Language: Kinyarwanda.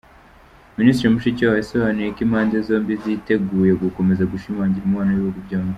Minisitiri Mushikiwabo yasobanuye ko impande zombi ziteguye gukomeza gushimangira umubano w’ibihugu byombi.